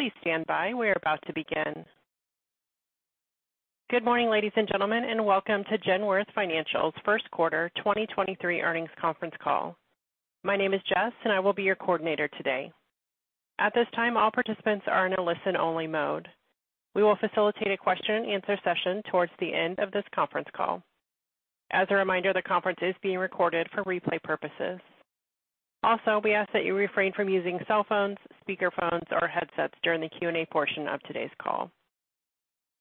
Please stand by. We're about to begin. Good morning, ladies and gentlemen, welcome to Genworth Financial First Quarter 2023 Earnings Conference Call. My name is Jess, I will be your coordinator today. At this time, all participants are in a listen-only mode. We will facilitate a question and answer session towards the end of this conference call. As a reminder, the conference is being recorded for replay purposes. We ask that you refrain from using cell phones, speaker phones, or headsets during the Q&A portion of today's call.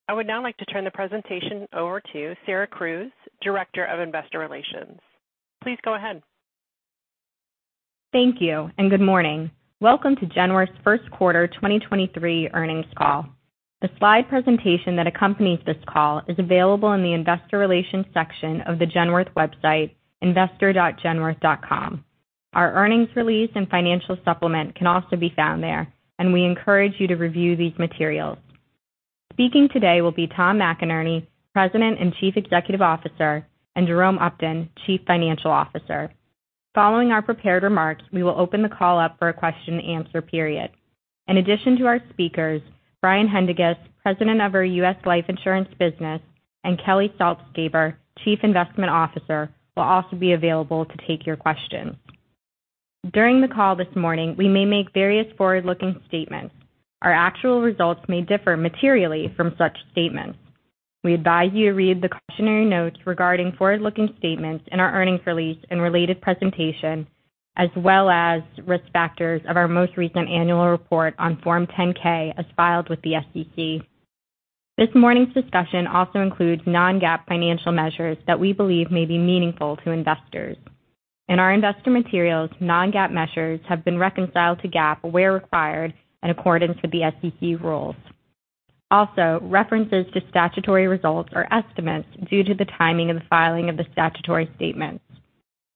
I would now like to turn the presentation over to Sarah Crews, Director of Investor Relations. Please go ahead. Thank you, good morning. Welcome to Genworth's First Quarter 2023 Earnings Call. The slide presentation that accompanies this call is available in the investor relations section of the Genworth website, investor.genworth.com. Our earnings release and financial supplement can also be found there. We encourage you to review these materials. Speaking today will be Tom McInerney, President and Chief Executive Officer, and Jerome Upton, Chief Financial Officer. Following our prepared remarks, we will open the call up for a question and answer period. In addition to our speakers, Brian Haendiges, President of our U.S. Life Insurance business, and Kelly Saltzgaber, Chief Investment Officer, will also be available to take your questions. During the call this morning, we may make various forward-looking statements. Our actual results may differ materially from such statements. We advise you to read the cautionary notes regarding forward-looking statements in our earnings release and related presentation, as well as risk factors of our most recent annual report on Form 10-K as filed with the SEC. This morning's discussion also includes non-GAAP financial measures that we believe may be meaningful to investors. In our investor materials, non-GAAP measures have been reconciled to GAAP where required in accordance with the SEC rules. References to statutory results are estimates due to the timing of the filing of the statutory statements.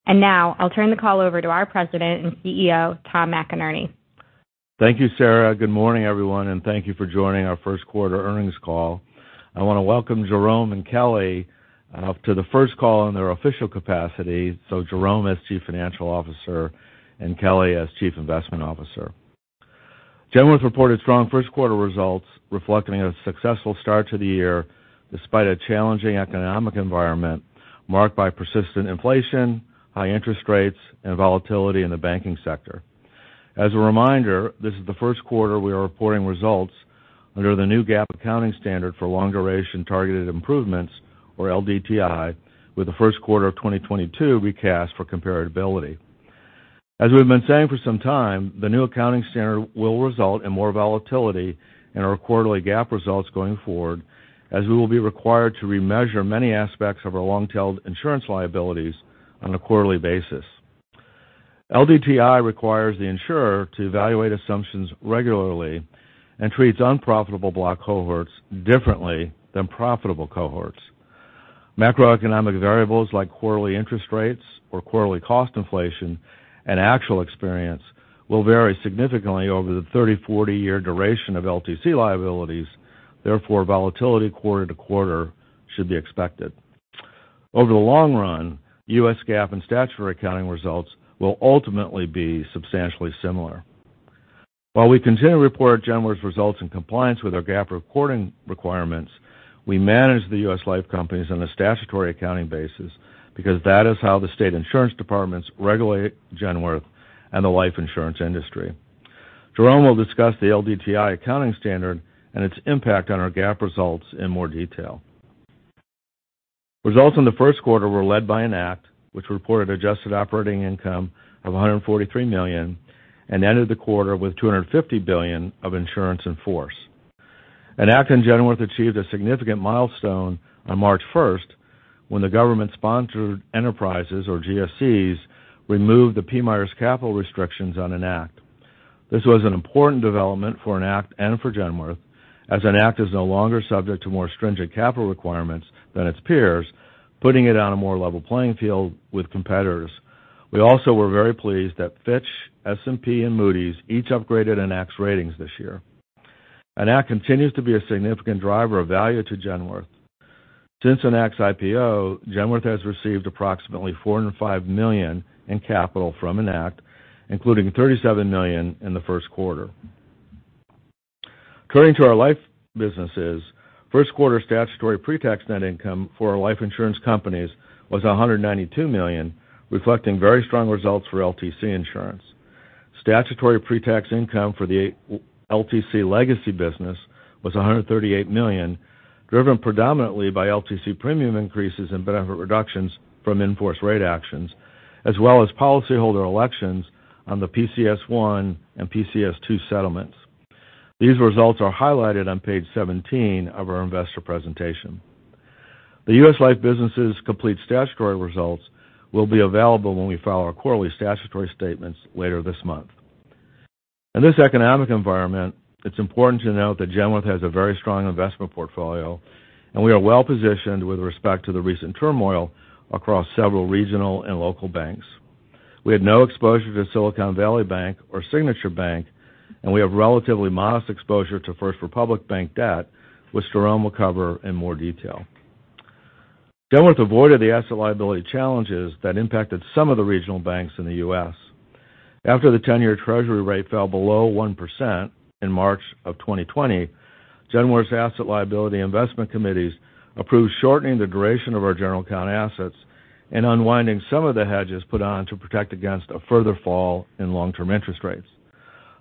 Now I'll turn the call over to our President and CEO, Tom McInerney. Thank you, Sarah. Good morning, everyone, and thank you for joining our first quarter earnings call. I want to welcome Jerome and Kelly to the first call in their official capacity, so Jerome as Chief Financial Officer and Kelly as Chief Investment Officer. Genworth reported strong first quarter results reflecting a successful start to the year despite a challenging economic environment marked by persistent inflation, high interest rates, and volatility in the banking sector. As a reminder, this is the first quarter we are reporting results under the new GAAP accounting standard for long-duration targeted improvements, or LDTI, with the first quarter of 2022 recast for comparability. As we've been saying for some time, the new accounting standard will result in more volatility in our quarterly GAAP results going forward, as we will be required to remeasure many aspects of our long-tailed insurance liabilities on a quarterly basis. LDTI requires the insurer to evaluate assumptions regularly and treats unprofitable block cohorts differently than profitable cohorts. Macroeconomic variables like quarterly interest rates or quarterly cost inflation and actual experience will vary significantly over the 30, 40-year duration of LTC liabilities. Volatility quarter to quarter should be expected. Over the long run, U.S. GAAP and statutory accounting results will ultimately be substantially similar. While we continue to report Genworth's results in compliance with our GAAP reporting requirements, we manage the U.S. Life companies on a statutory accounting basis because that is how the state insurance departments regulate Genworth and the life insurance industry. Jerome will discuss the LDTI accounting standard and its impact on our GAAP results in more detail. Results in the first quarter were led by Enact, which reported adjusted operating income of $143 million and ended the quarter with $250 billion of insurance in force. Enact and Genworth achieved a significant milestone on March first when the government-sponsored enterprises, or GSEs, removed the PMIERs capital restrictions on Enact. This was an important development for Enact and for Genworth, as Enact is no longer subject to more stringent capital requirements than its peers, putting it on a more level playing field with competitors. We also were very pleased that Fitch, S&P, and Moody's each upgraded Enact's ratings this year. Enact continues to be a significant driver of value to Genworth. Since Enact's IPO, Genworth has received approximately $405 million in capital from Enact, including $37 million in the first quarter. Turning to our life businesses, first quarter statutory pretax net income for our life insurance companies was $192 million, reflecting very strong results for LTC insurance. Statutory pretax income for the LTC legacy business was $138 million, driven predominantly by LTC premium increases and benefit reductions from in-force rate actions, as well as policyholder elections on the PCS I and PCS II settlements. These results are highlighted on page 17 of our investor presentation. The U.S. Life businesses' complete statutory results will be available when we file our quarterly statutory statements later this month. In this economic environment, it's important to note that Genworth has a very strong investment portfolio, and we are well-positioned with respect to the recent turmoil across several regional and local banks. We had no exposure to Silicon Valley Bank or Signature Bank, and we have relatively modest exposure to First Republic Bank debt, which Jerome will cover in more detail. Genworth avoided the asset liability challenges that impacted some of the regional banks in the U.S. After the ten-year treasury rate fell below 1% in March 2020, Genworth's asset liability investment committees approved shortening the duration of our general account assets and unwinding some of the hedges put on to protect against a further fall in long-term interest rates.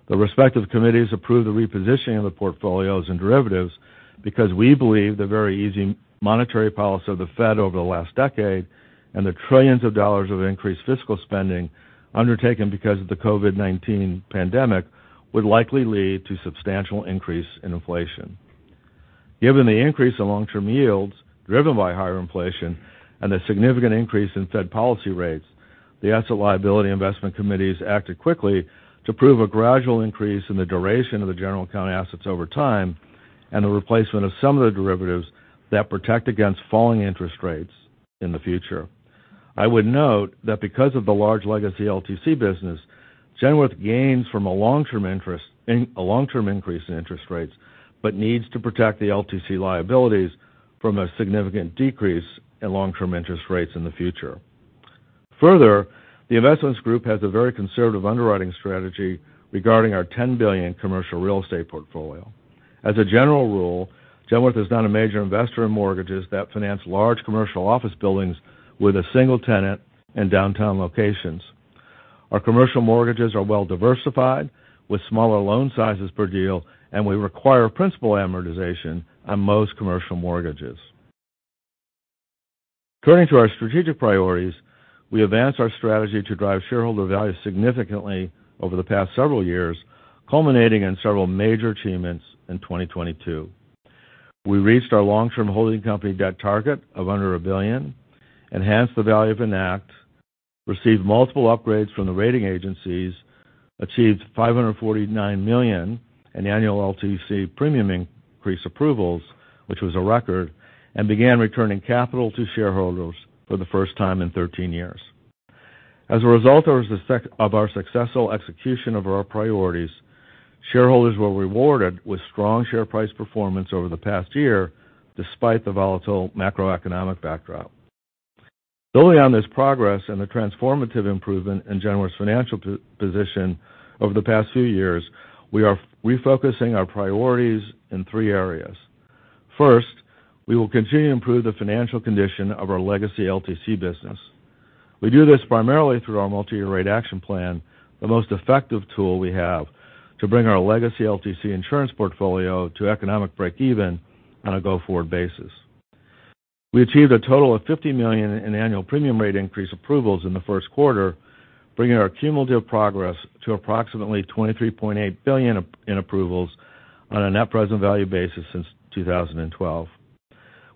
The respective committees approved the repositioning of the portfolios and derivatives because we believe the very easy monetary policy of The Fed over the last decade and the trillions of dollars of increased fiscal spending undertaken because of the COVID-19 pandemic would likely lead to substantial increase in inflation. Given the increase in long-term yields driven by higher inflation and a significant increase in Fed policy rates, the asset liability investment committees acted quickly to prove a gradual increase in the duration of the general account assets over time and the replacement of some of the derivatives that protect against falling interest rates in the future. I would note that because of the large legacy LTC business, Genworth gains from a long-term increase in interest rates, but needs to protect the LTC liabilities from a significant decrease in long-term interest rates in the future. Further, the investments group has a very conservative underwriting strategy regarding our $10 billion commercial real estate portfolio. As a general rule, Genworth is not a major investor in mortgages that finance large commercial office buildings with a single tenant in downtown locations. Our commercial mortgages are well-diversified, with smaller loan sizes per deal, and we require principal amortization on most commercial mortgages. Turning to our strategic priorities, we advanced our strategy to drive shareholder value significantly over the past several years, culminating in several major achievements in 2022. We reached our long-term holding company debt target of under $1 billion, enhanced the value of Enact, received multiple upgrades from the rating agencies, achieved $549 million in annual LTC premium increase approvals, which was a record, began returning capital to shareholders for the first time in 13 years. As a result of the success of our successful execution of our priorities, shareholders were rewarded with strong share price performance over the past year, despite the volatile macroeconomic backdrop. Building on this progress and the transformative improvement in Genworth's financial position over the past few years, we are refocusing our priorities in three areas. First, we will continue to improve the financial condition of our legacy LTC business. We do this primarily through our multi-year rate action plan, the most effective tool we have to bring our legacy LTC insurance portfolio to economic break-even on a go-forward basis. We achieved a total of $50 million in annual premium rate increase approvals in the first quarter, bringing our cumulative progress to approximately $23.8 billion in approvals on a net present value basis since 2012.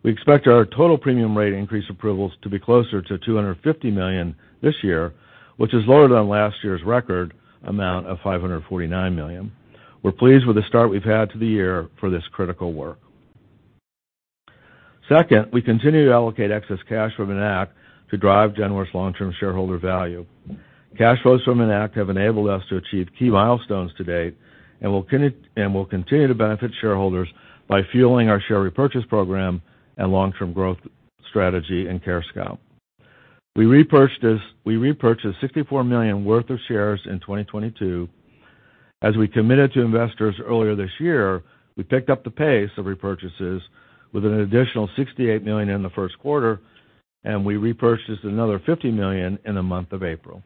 We expect our total premium rate increase approvals to be closer to $250 million this year, which is lower than last year's record amount of $549 million. We're pleased with the start we've had to the year for this critical work. Second, we continue to allocate excess cash from Enact to drive Genworth's long-term shareholder value. Cash flows from Enact have enabled us to achieve key milestones to date, and will continue to benefit shareholders by fueling our share repurchase program and long-term growth strategy in CareScout. We repurchased $64 million worth of shares in 2022. As we committed to investors earlier this year, we picked up the pace of repurchases with an additional $68 million in the first quarter, and we repurchased another $50 million in the month of April.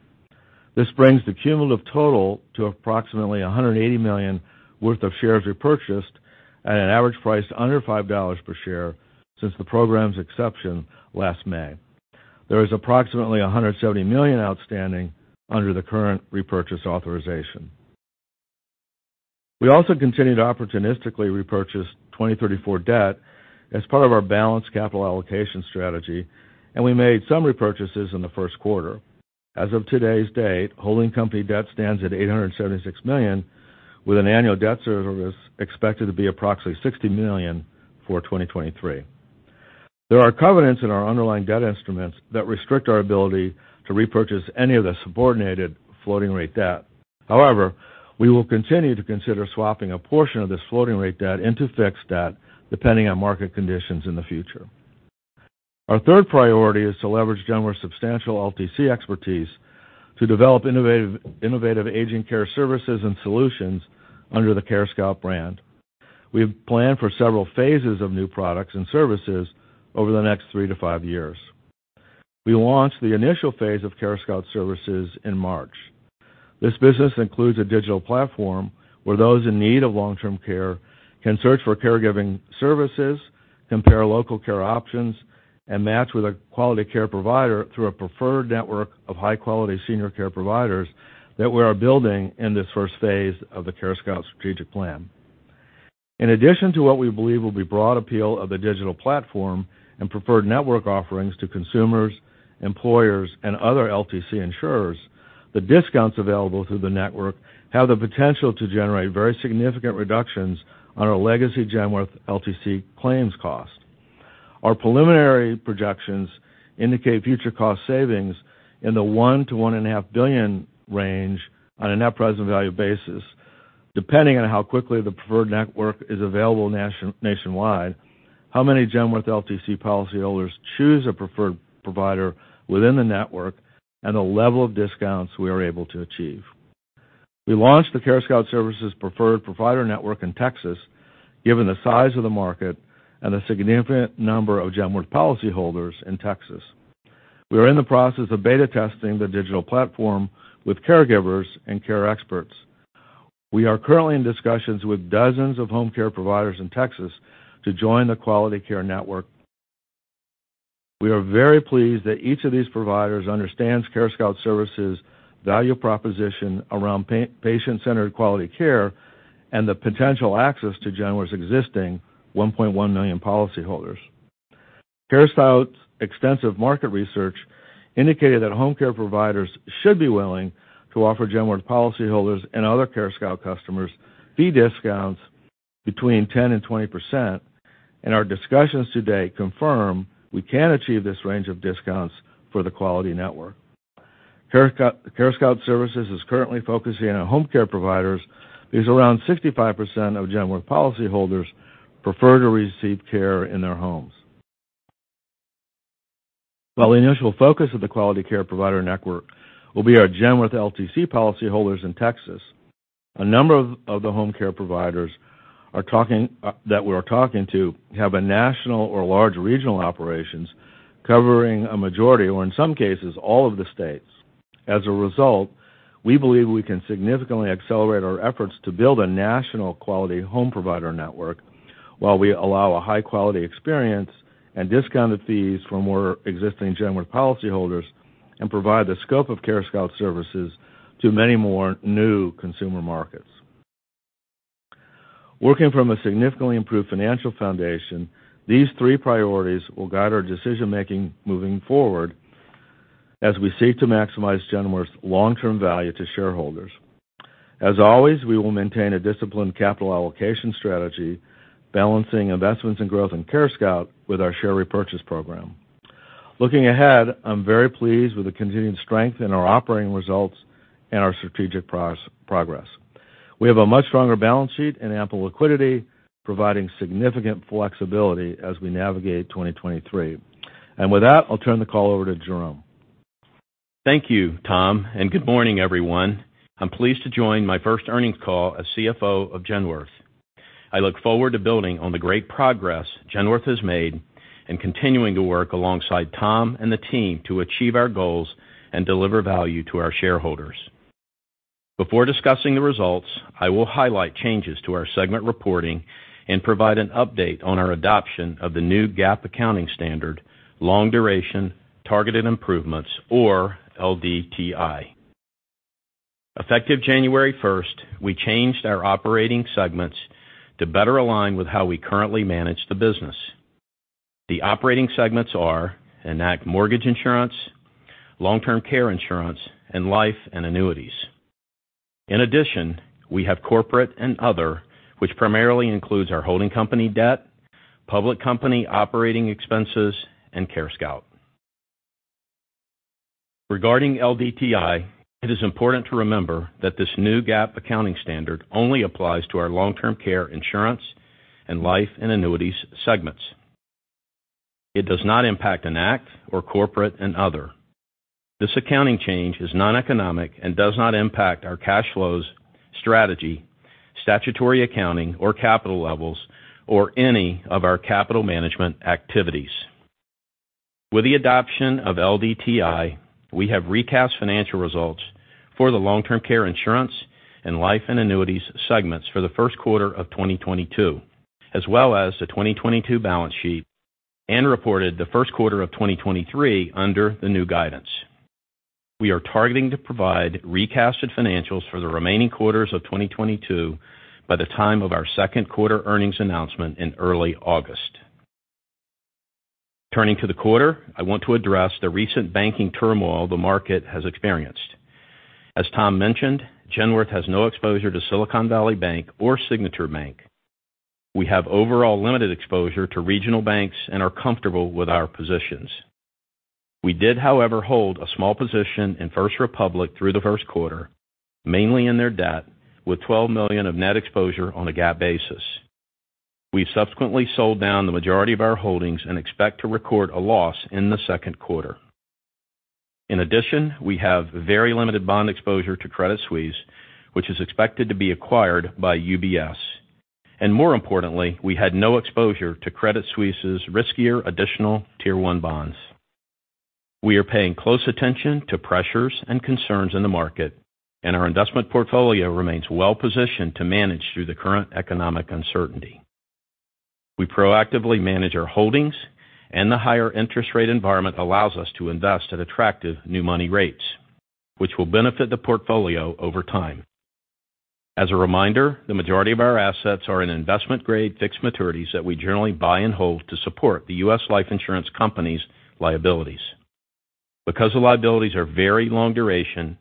This brings the cumulative total to approximately $180 million worth of shares repurchased at an average price under $5 per share since the program's inception last May. There is approximately $170 million outstanding under the current repurchase authorization. We also continue to opportunistically repurchase 2034 debt as part of our balanced capital allocation strategy. We made some repurchases in the first quarter. As of today's date, holding company debt stands at $876 million, with an annual debt service expected to be approximately $60 million for 2023. There are covenants in our underlying debt instruments that restrict our ability to repurchase any of the subordinated floating rate debt. We will continue to consider swapping a portion of this floating rate debt into fixed debt, depending on market conditions in the future. Our third priority is to leverage Genworth's substantial LTC expertise to develop innovative aging care services and solutions under the CareScout brand. We have planned for several phases of new products and services over the next three to five years. We launched the initial phase of CareScout Services in March. This business includes a digital platform where those in need of long-term care can search for caregiving services, compare local care options, and match with a quality care provider through a preferred network of high-quality senior care providers that we are building in this first phase of the CareScout strategic plan. In addition to what we believe will be broad appeal of the digital platform and preferred network offerings to consumers, employers, and other LTC insurers, the discounts available through the network have the potential to generate very significant reductions on our legacy Genworth LTC claims cost. Our preliminary projections indicate future cost savings in the $1 billion-$1.5 billion range on a net present value basis. Depending on how quickly the preferred network is available nationwide, how many Genworth LTC policyholders choose a preferred provider within the network and the level of discounts we are able to achieve. We launched the CareScout Services preferred provider network in Texas, given the size of the market and a significant number of Genworth policyholders in Texas. We are in the process of beta testing the digital platform with caregivers and care experts. We are currently in discussions with dozens of home care providers in Texas to join the quality care network. We are very pleased that each of these providers understands CareScout Services' value proposition around patient-centered quality care and the potential access to Genworth's existing 1.1 million policyholders. CareScout's extensive market research indicated that home care providers should be willing to offer Genworth policyholders and other CareScout customers fee discounts between 10% and 20%, and our discussions today confirm we can achieve this range of discounts for the quality network. CareScout Services is currently focusing on home care providers, as around 65% of Genworth policyholders prefer to receive care in their homes. While the initial focus of the quality care provider network will be our Genworth LTC policyholders in Texas, a number of the home care providers are talking that we're talking to have a national or large regional operations covering a majority or in some cases, all of the states. We believe we can significantly accelerate our efforts to build a national quality home provider network while we allow a high quality experience and discounted fees from more existing Genworth policyholders and provide the scope of CareScout Services to many more new consumer markets. Working from a significantly improved financial foundation, these three priorities will guide our decision-making moving forward as we seek to maximize Genworth's long-term value to shareholders. We will maintain a disciplined capital allocation strategy, balancing investments and growth in CareScout with our share repurchase program. Looking ahead, I'm very pleased with the continuing strength in our operating results and our strategic progress. We have a much stronger balance sheet and ample liquidity, providing significant flexibility as we navigate 2023. I'll turn the call over to Jerome. Thank you, Tom. Good morning, everyone. I'm pleased to join my first earnings call as CFO of Genworth. I look forward to building on the great progress Genworth has made and continuing to work alongside Tom and the team to achieve our goals and deliver value to our shareholders. Before discussing the results, I will highlight changes to our segment reporting and provide an update on our adoption of the new GAAP accounting standard, long duration, targeted improvements or LDTI. Effective January first, we changed our operating segments to better align with how we currently manage the business. The operating segments are Enact mortgage insurance, long-term care insurance, and life and annuities. In addition, we have corporate and other, which primarily includes our holding company debt, public company operating expenses, and CareScout. Regarding LDTI, it is important to remember that this new GAAP accounting standard only applies to our long-term care insurance and life and annuities segments. It does not impact Enact or corporate and other. This accounting change is noneconomic and does not impact our cash flows, strategy, statutory accounting or capital levels or any of our capital management activities. With the adoption of LDTI, we have recast financial results for the long-term care insurance and life and annuities segments for the first quarter of 2022, as well as the 2022 balance sheet and reported the first quarter of 2023 under the new guidance. We are targeting to provide recasted financials for the remaining quarters of 2022 by the time of our second quarter earnings announcement in early August. Turning to the quarter, I want to address the recent banking turmoil the market has experienced. As Tom mentioned, Genworth has no exposure to Silicon Valley Bank or Signature Bank. We have overall limited exposure to regional banks and are comfortable with our positions. We did, however, hold a small position in First Republic through the first quarter, mainly in their debt, with $12 million of net exposure on a GAAP basis. We subsequently sold down the majority of our holdings and expect to record a loss in the second quarter. In addition, we have very limited bond exposure to Credit Suisse, which is expected to be acquired by UBS. More importantly, we had no exposure to Credit Suisse's riskier Additional Tier 1 bonds. We are paying close attention to pressures and concerns in the market, and our investment portfolio remains well-positioned to manage through the current economic uncertainty. We proactively manage our holdings, and the higher interest rate environment allows us to invest at attractive new money rates, which will benefit the portfolio over time. As a reminder, the majority of our assets are in investment-grade fixed maturities that we generally buy and hold to support the U.S. Life Insurance Company's liabilities. Because the liabilities are very long duration,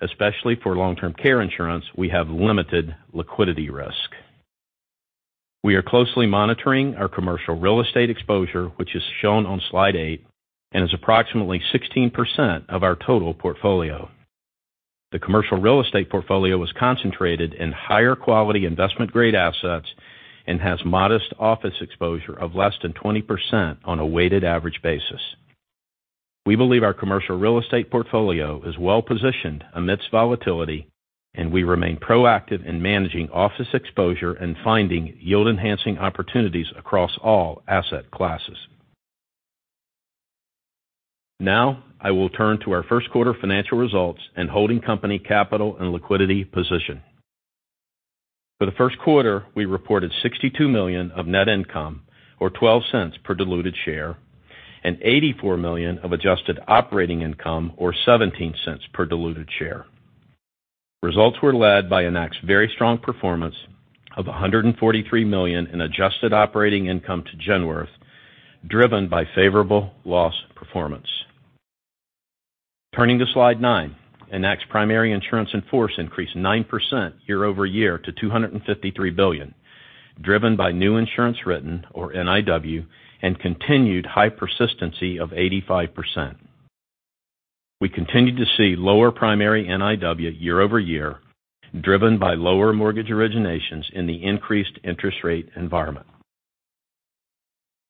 especially for long-term care insurance, we have limited liquidity risk. We are closely monitoring our commercial real estate exposure, which is shown on slide eight and is approximately 16% of our total portfolio. The commercial real estate portfolio was concentrated in higher quality investment-grade assets and has modest office exposure of less than 20% on a weighted average basis. We believe our commercial real estate portfolio is well-positioned amidst volatility, and we remain proactive in managing office exposure and finding yield-enhancing opportunities across all asset classes. I will turn to our first quarter financial results and holding company capital and liquidity position. For the first quarter, we reported $62 million of net income, or $0.12 per diluted share, and $84 million of adjusted operating income, or $0.17 per diluted share. Results were led by Enact's very strong performance of $143 million in adjusted operating income to Genworth, driven by favorable loss performance. Turning to slide nine. Enact's primary insurance in force increased 9% year-over-year to $253 billion, driven by new insurance written, or NIW, and continued high persistency of 85%. We continued to see lower primary NIW year-over-year, driven by lower mortgage originations in the increased interest rate environment.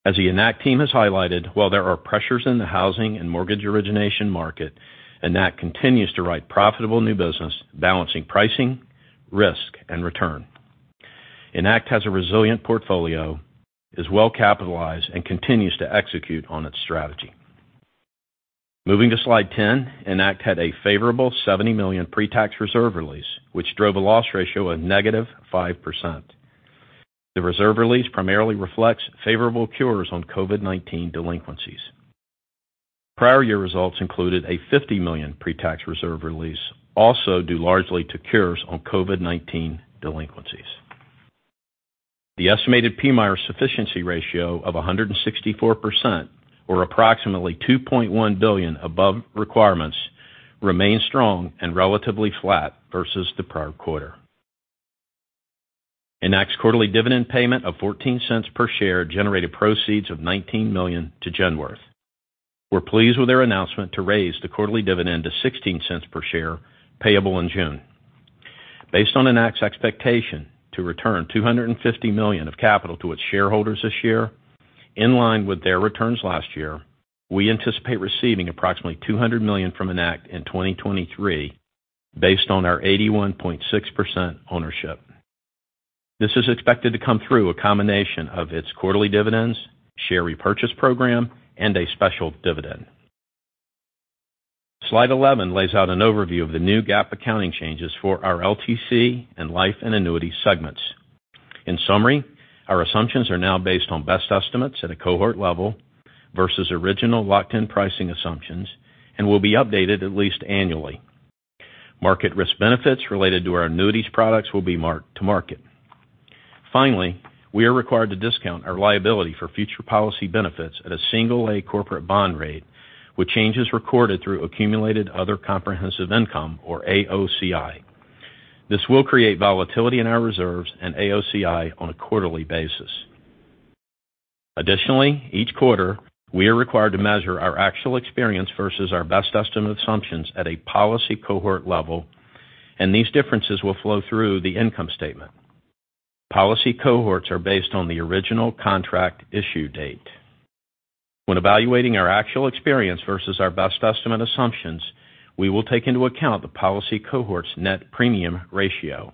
As the Enact team has highlighted, while there are pressures in the housing and mortgage origination market, Enact continues to write profitable new business balancing pricing, risk, and return. Enact has a resilient portfolio, is well capitalized, and continues to execute on its strategy. Moving to slide 10. Enact had a favorable $70 million pre-tax reserve release, which drove a loss ratio of -5%. The reserve release primarily reflects favorable cures on COVID-19 delinquencies. Prior year results included a $50 million pre-tax reserve release, also due largely to cures on COVID-19 delinquencies. The estimated PMIER sufficiency ratio of 164%, or approximately $2.1 billion above requirements, remains strong and relatively flat versus the prior quarter. Enact's quarterly dividend payment of $0.14 per share generated proceeds of $19 million to Genworth. We're pleased with their announcement to raise the quarterly dividend to $0.16 per share, payable in June. Based on Enact's expectation to return $250 million of capital to its shareholders this year, in line with their returns last year, we anticipate receiving approximately $200 million from Enact in 2023 based on our 81.6% ownership. This is expected to come through a combination of its quarterly dividends, share repurchase program, and a special dividend. Slide 11 lays out an overview of the new GAAP accounting changes for our LTC and life and annuity segments. In summary, our assumptions are now based on best estimates at a cohort level versus original locked-in pricing assumptions and will be updated at least annually. Market risk benefits related to our annuities products will be marked to market. We are required to discount our liability for future policy benefits at a single lay corporate bond rate, with changes recorded through accumulated other comprehensive income, or AOCI. This will create volatility in our reserves and AOCI on a quarterly basis. Each quarter, we are required to measure our actual experience versus our best estimate assumptions at a policy cohort level. These differences will flow through the income statement. Policy cohorts are based on the original contract issue date. When evaluating our actual experience versus our best estimate assumptions, we will take into account the policy cohort's net premium ratio.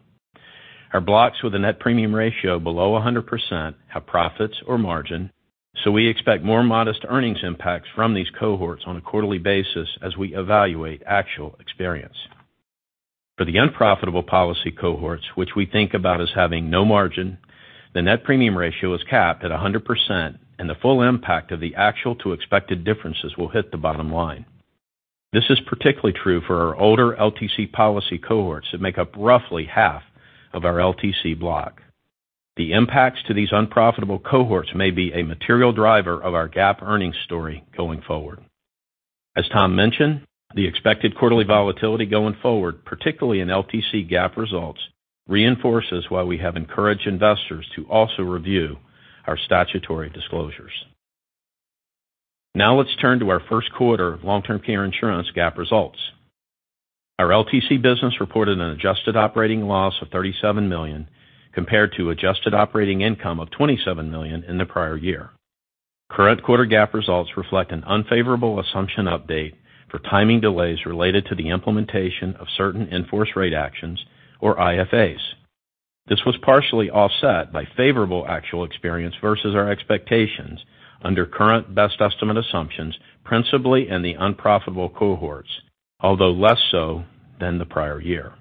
Our blocks with a net premium ratio below 100% have profits or margin. We expect more modest earnings impacts from these cohorts on a quarterly basis as we evaluate actual experience. For the unprofitable policy cohorts, which we think about as having no margin, the net premium ratio is capped at 100% and the full impact of the actual to expected differences will hit the bottom line. This is particularly true for our older LTC policy cohorts that make up roughly half of our LTC block. The impacts to these unprofitable cohorts may be a material driver of our GAAP earnings story going forward. As Tom mentioned, the expected quarterly volatility going forward, particularly in LTC GAAP results, reinforces why we have encouraged investors to also review our statutory disclosures. Let's turn to our first quarter long-term care insurance GAAP results. Our LTC business reported an adjusted operating loss of $37 million compared to adjusted operating income of $27 million in the prior year. Current quarter GAAP results reflect an unfavorable assumption update for timing delays related to the implementation of certain in-force rate actions, or IFAs. This was partially offset by favorable actual experience versus our expectations under current best estimate assumptions, principally in the unprofitable cohorts, although less so than the prior year.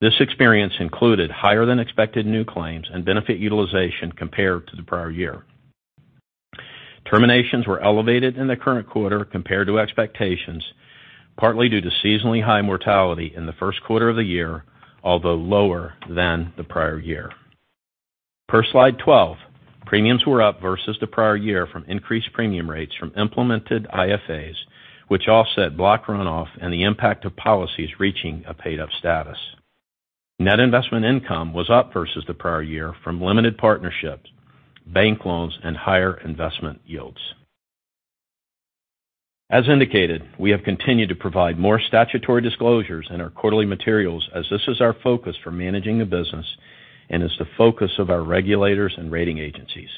This experience included higher than expected new claims and benefit utilization compared to the prior year. Terminations were elevated in the current quarter compared to expectations, partly due to seasonally high mortality in the first quarter of the year, although lower than the prior year. Per slide 12. Premiums were up versus the prior year from increased premium rates from implemented IFAs, which offset block run-off and the impact of policies reaching a paid-up status. Net investment income was up versus the prior year from limited partnerships, bank loans, and higher investment yields. As indicated, we have continued to provide more statutory disclosures in our quarterly materials as this is our focus for managing the business and is the focus of our regulators and rating agencies.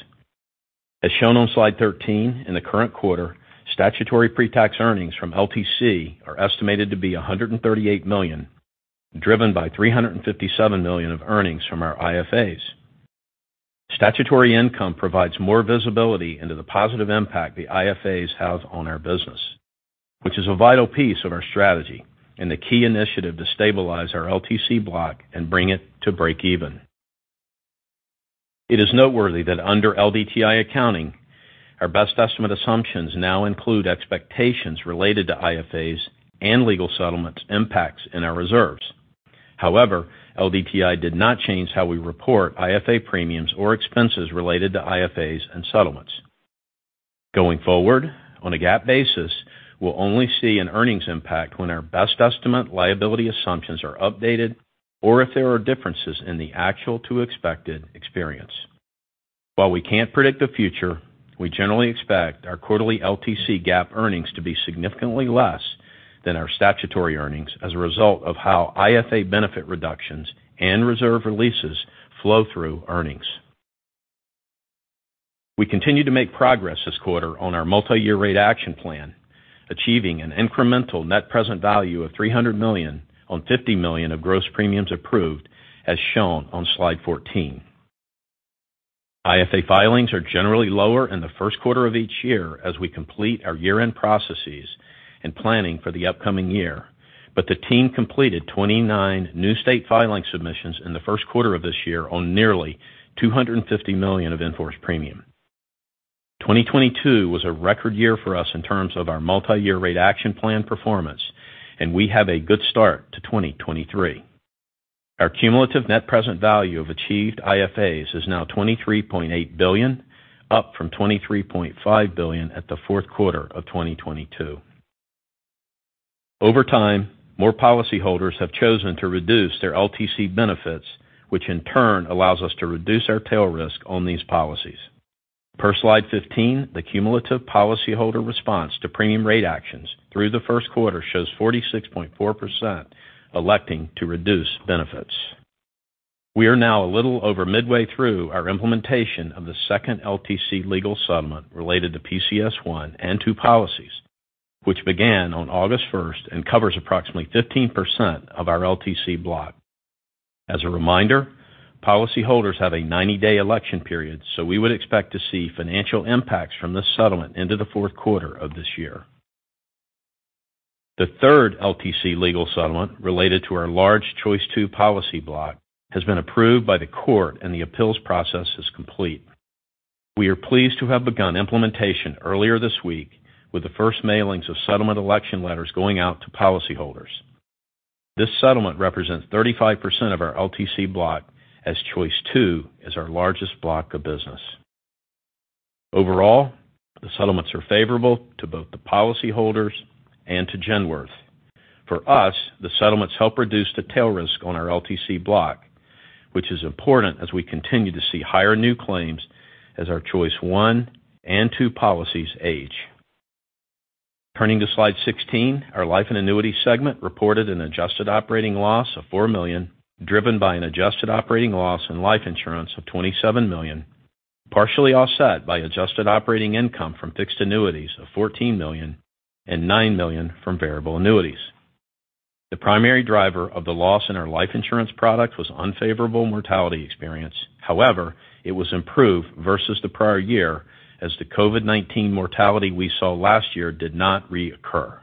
As shown on slide 13, in the current quarter, statutory pre-tax earnings from LTC are estimated to be $138 million, driven by $357 million of earnings from our IFAs. Statutory income provides more visibility into the positive impact the IFAs have on our business, which is a vital piece of our strategy and the key initiative to stabilize our LTC block and bring it to breakeven. It is noteworthy that under LDTI accounting, our best estimate assumptions now include expectations related to IFAs and legal settlements impacts in our reserves. However, LDTI did not change how we report IFA premiums or expenses related to IFAs and settlements. Going forward, on a GAAP basis, we'll only see an earnings impact when our best estimate liability assumptions are updated or if there are differences in the actual to expected experience. While we can't predict the future, we generally expect our quarterly LTC GAAP earnings to be significantly less than our statutory earnings as a result of how IFA benefit reductions and reserve releases flow through earnings. We continued to make progress this quarter on our multi-year rate action plan, achieving an incremental net present value of $300 million on $50 million of gross premiums approved, as shown on slide 14. IFA filings are generally lower in the first quarter of each year as we complete our year-end processes and planning for the upcoming year. The team completed 29 new state filing submissions in the first quarter of this year on nearly $250 million of in-force premium. 2022 was a record year for us in terms of our multi-year rate action plan performance, and we have a good start to 2023. Our cumulative net present value of achieved IFAs is now $23.8 billion, up from $23.5 billion at the fourth quarter of 2022. Over time, more policyholders have chosen to reduce their LTC benefits, which in turn allows us to reduce our tail risk on these policies. Per slide 15, the cumulative policyholder response to premium rate actions through the first quarter shows 46.4% electing to reduce benefits. We are now a little over midway through our implementation of the second LTC legal settlement related to PCS I and PCS II policies, which began on August 1st and covers approximately 15% of our LTC block. As a reminder, policyholders have a 90-day election period, we would expect to see financial impacts from this settlement into the 4th quarter of this year. The 3rd LTC legal settlement related to our large Choice II policy block has been approved by the court, and the appeals process is complete. We are pleased to have begun implementation earlier this week with the first mailings of settlement election letters going out to policyholders. This settlement represents 35% of our LTC block as Choice II is our largest block of business. Overall, the settlements are favorable to both the policyholders and to Genworth. For us, the settlements help reduce the tail risk on our LTC block, which is important as we continue to see higher new claims as our Choice I and II policies age. Turning to slide 16, our life and annuity segment reported an adjusted operating loss of $4 million, driven by an adjusted operating loss in life insurance of $27 million, partially offset by adjusted operating income from fixed annuities of $14 million and $9 million from variable annuities. The primary driver of the loss in our life insurance product was unfavorable mortality experience. It was improved versus the prior year as the COVID-19 mortality we saw last year did not reoccur.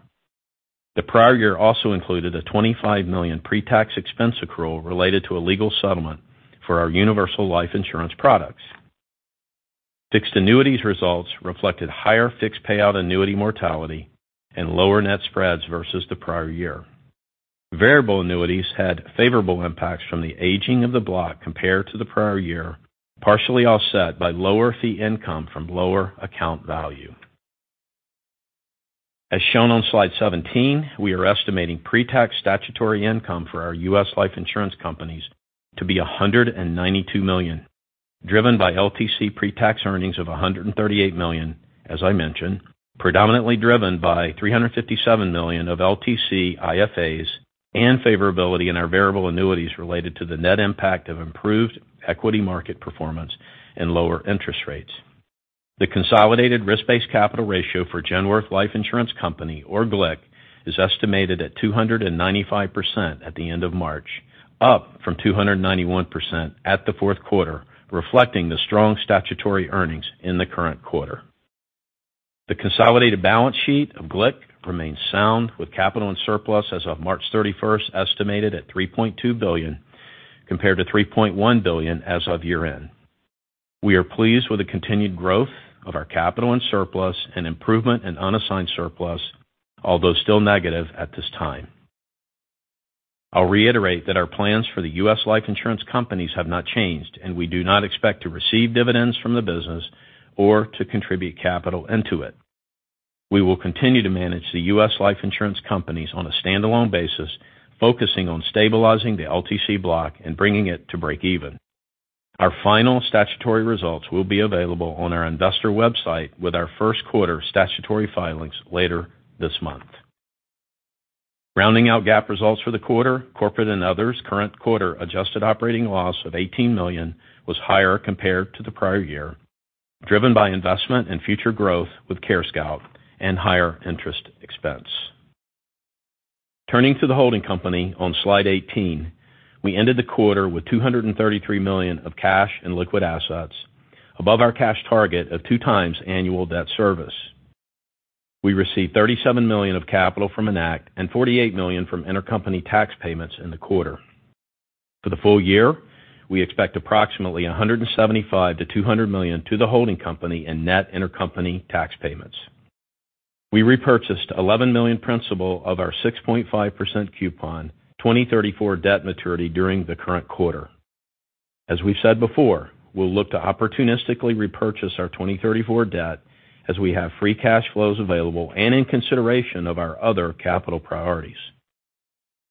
The prior year also included a $25 million pre-tax expense accrual related to a legal settlement for our universal life insurance products. Fixed annuities results reflected higher fixed payout annuity mortality and lower net spreads versus the prior year. Variable annuities had favorable impacts from the aging of the block compared to the prior year, partially offset by lower fee income from lower account value. As shown on slide 17, we are estimating pre-tax statutory income for our U.S. Life Insurance companies to be $192 million, driven by LTC pre-tax earnings of $138 million, as I mentioned, predominantly driven by $357 million of LTC IFAs and favorability in our variable annuities related to the net impact of improved equity market performance and lower interest rates. The consolidated Risk-Based Capital ratio for Genworth Life Insurance Company, or GLIC, is estimated at 295% at the end of March, up from 291% at the fourth quarter, reflecting the strong statutory earnings in the current quarter. The consolidated balance sheet of GLIC remains sound, with capital and surplus as of March 31st estimated at $3.2 billion, compared to $3.1 billion as of year-end. We are pleased with the continued growth of our capital and surplus and improvement in unassigned surplus, although still negative at this time. I'll reiterate that our plans for the U.S. Life Insurance companies have not changed. We do not expect to receive dividends from the business or to contribute capital into it. We will continue to manage the U.S. Life Insurance companies on a standalone basis, focusing on stabilizing the LTC block and bringing it to break even. Our final statutory results will be available on our investor website with our first quarter statutory filings later this month. Rounding out GAAP results for the quarter, corporate and others current quarter adjusted operating loss of $18 million was higher compared to the prior year, driven by investment and future growth with CareScout and higher interest expense. Turning to the holding company on slide 18. We ended the quarter with $233 million of cash and liquid assets above our cash target of two times annual debt service. We received $37 million of capital from Enact and $48 million from intercompany tax payments in the quarter. For the full year, we expect approximately $175 million-$200 million to the holding company in net intercompany tax payments. We repurchased $11 million principal of our 6.5% coupon 2034 debt maturity during the current quarter. As we've said before, we'll look to opportunistically repurchase our 2034 debt as we have free cash flows available and in consideration of our other capital priorities.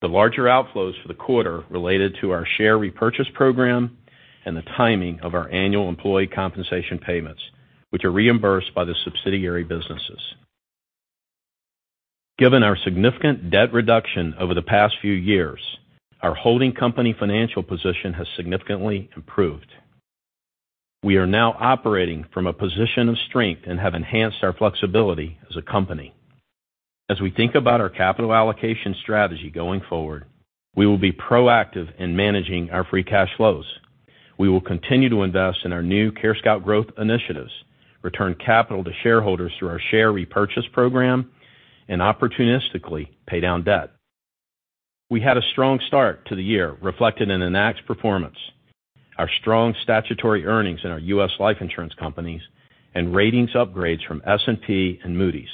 The larger outflows for the quarter related to our share repurchase program and the timing of our annual employee compensation payments, which are reimbursed by the subsidiary businesses. Given our significant debt reduction over the past few years, our holding company financial position has significantly improved. We are now operating from a position of strength and have enhanced our flexibility as a company. As we think about our capital allocation strategy going forward, we will be proactive in managing our free cash flows. We will continue to invest in our new CareScout growth initiatives, return capital to shareholders through our share repurchase program and opportunistically pay down debt. We had a strong start to the year reflected in Enact's performance, our strong statutory earnings in our U.S. life insurance companies, and ratings upgrades from S&P and Moody's.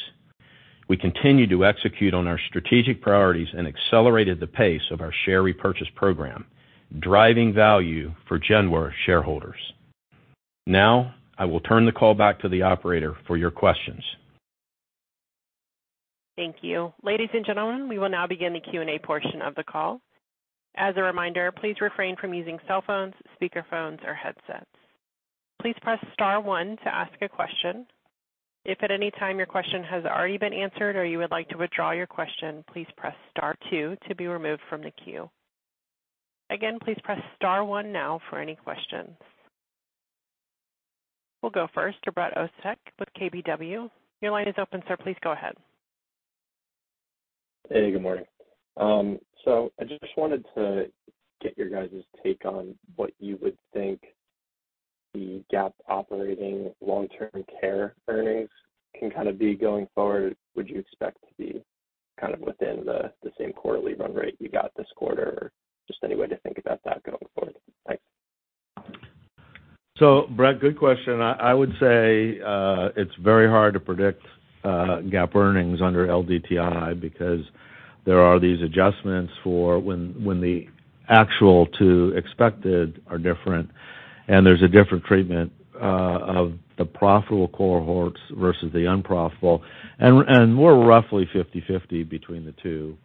We continued to execute on our strategic priorities and accelerated the pace of our share repurchase program, driving value for Genworth shareholders. Now I will turn the call back to the operator for your questions. Thank you. Ladies and gentlemen, we will now begin the Q&A portion of the call. As a reminder, please refrain from using cell phones, speakerphones or headsets. Please press star one to ask a question. If at any time your question has already been answered or you would like to withdraw your question, please press star two to be removed from the queue. Again, please press star one now for any questions. We'll go first to Ryan Krueger with KBW. Your line is open, sir. Please go ahead. Hey, good morning. I just wanted to get your guys' take on what you would think the GAAP operating long-term care earnings can kind of be going forward? Would you expect to be kind of within the same quarterly run rate you got this quarter or just any way to think about that going forward? Thanks. Ryan Krueger, good question. I would say it's very hard to predict GAAP earnings under LDTI because there are these adjustments for when the Actual-to-Expected are different and there's a different treatment of the profitable cohorts versus the unprofitable, and we're roughly 50/50 between the two.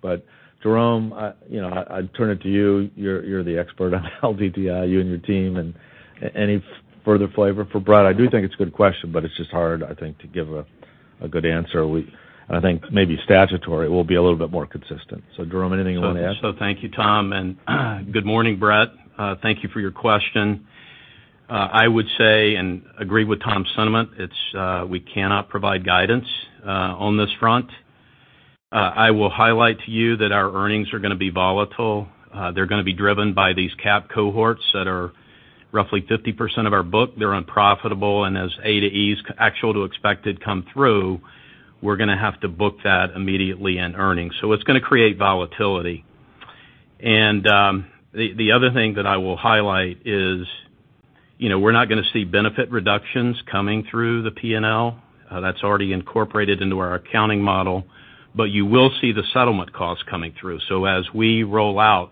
Jerome, I, you know, I'd turn it to you. You're the expert on LDTI, you and your team, and any further flavor for Ryan Krueger? I do think it's a good question, but it's just hard, I think, to give a good answer. I think maybe statutory will be a little bit more consistent. Jerome, anything you want to add? Thank you, Tom, and good morning, Ryan Krueger. Thank you for your question. I would say and agree with Tom's sentiment, we cannot provide guidance on this front. I will highlight to you that our earnings are gonna be volatile. They're gonna be driven by these cap cohorts that are roughly 50% of our book. They're unprofitable. As A to E's actual to expected come through, we're gonna have to book that immediately in earnings. It's gonna create volatility. The other thing that I will highlight is, you know, we're not gonna see benefit reductions coming through the P&L. That's already incorporated into our accounting model. You will see the settlement costs coming through. As we roll out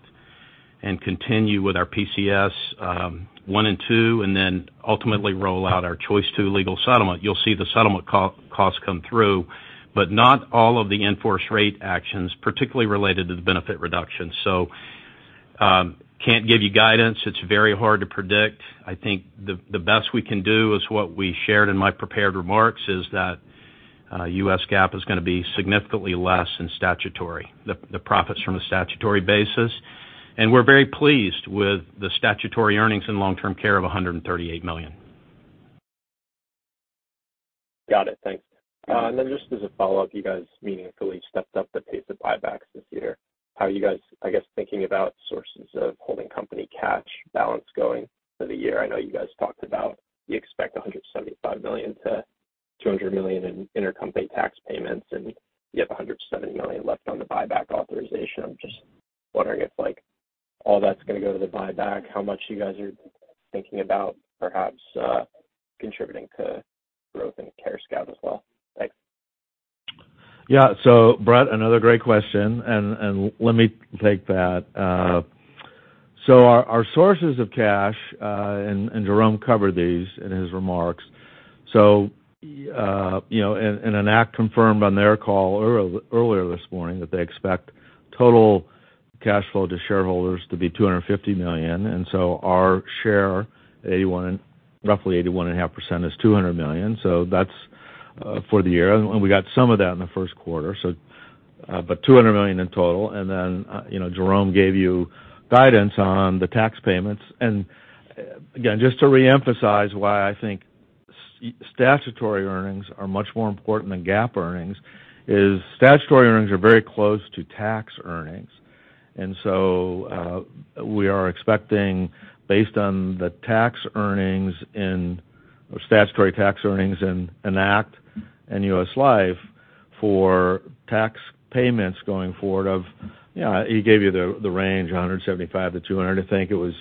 and continue with our PCS I and II and then ultimately roll out our Choice II legal settlement, you'll see the settlement co-cost come through, but not all of the enforced rate actions, particularly related to the benefit reduction. Can't give you guidance. It's very hard to predict. I think the best we can do is what we shared in my prepared remarks is that U.S. GAAP is gonna be significantly less than statutory, the profits from a statutory basis. We're very pleased with the statutory earnings in long-term care of $138 million. Got it. Thanks. You're welcome. Just as a follow-up, you guys meaningfully stepped up the pace of buybacks this year. How are you guys, I guess, thinking about sources of holding company cash balance going for the year? I know you guys talked about you expect $175 million-$200 million in intercompany tax payments, and you have $170 million left on the buyback authorization. I'm just wondering if, like, all that's gonna go to the buyback, how much you guys are thinking about perhaps contributing to growth in CareScout as well? Thanks. Yeah. Ryan Krueger, another great question, and let me take that. Our sources of cash, Jerome Upton covered these in his remarks. You know, Enact confirmed on their call earlier this morning that they expect total cash flow to shareholders to be $250 million. Our share, 81%, roughly 81.5% is $200 million. That's for the year. We got some of that in the first quarter, so, but $200 million in total. You know, Jerome Upton gave you guidance on the tax payments. Again, just to reemphasize why I think statutory earnings are much more important than GAAP earnings is statutory earnings are very close to tax earnings. We are expecting based on the tax earnings or statutory tax earnings in Enact and U.S. Life for tax payments going forward of, you know, he gave you the range, $175 million-$200 million. I think it was.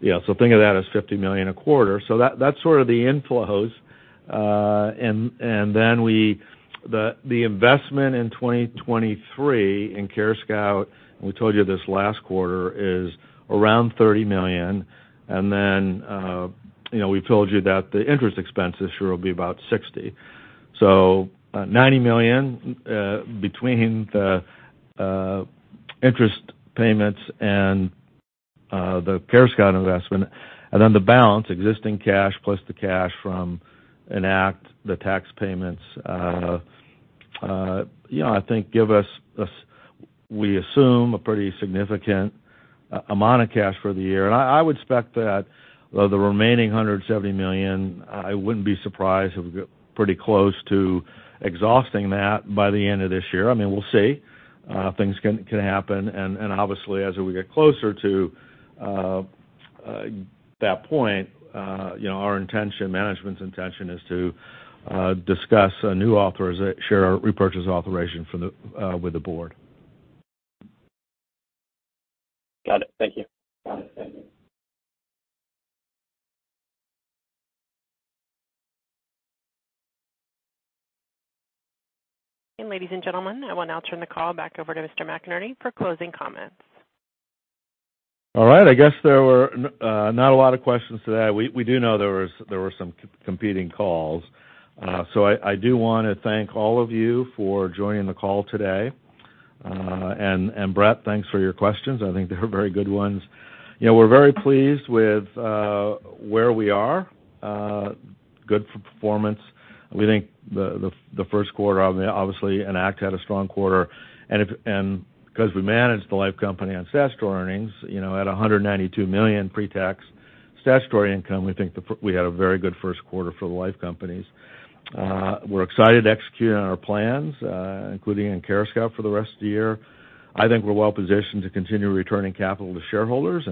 Yeah, so think of that as $50 million a quarter. So that's sort of the inflows. The investment in 2023 in CareScout, and we told you this last quarter, is around $30 million. You know, we told you that the interest expense this year will be about $60 million. $90 million between the interest payments and the CareScout investment, and then the balance, existing cash plus the cash from Enact, the tax payments, you know, I think give us, we assume a pretty significant amount of cash for the year. I would expect that, of the remaining $170 million, I wouldn't be surprised if we get pretty close to exhausting that by the end of this year. I mean, we'll see. Things can happen. Obviously, as we get closer to that point, you know, our intention, management's intention is to discuss a new share repurchase authorization for the with the board. Got it. Thank you. ladies and gentlemen, I will now turn the call back over to Mr. McInerney for closing comments. All right. I guess there were not a lot of questions today. We do know there were some competing calls. I do wanna thank all of you for joining the call today. Ryan Krueger, thanks for your questions. I think they were very good ones. You know, we're very pleased with where we are, good performance. We think the first quarter, obviously, Enact had a strong quarter. Because we managed the life company on statutory earnings, you know, at $192 million pre-tax statutory income, we think we had a very good first quarter for the life companies. We're excited to execute on our plans, including in CareScout for the rest of the year. I think we're well positioned to continue returning capital to shareholders.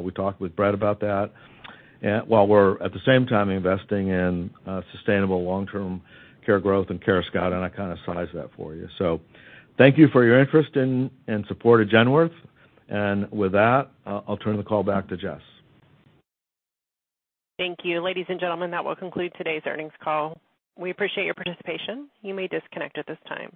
We talked with Ryan Krueger about that. While we're at the same time investing in sustainable long-term care growth and CareScout, I kinda sized that for you. Thank you for your interest and support of Genworth. With that, I'll turn the call back to Jess. Thank you. Ladies and gentlemen, that will conclude today's earnings call. We appreciate your participation. You may disconnect at this time.